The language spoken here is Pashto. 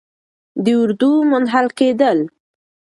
د اردو د منحل کیدو